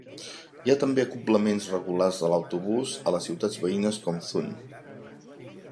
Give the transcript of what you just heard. Hi ha també acoblaments regulars de l'autobús a les ciutats veïnes com Thun.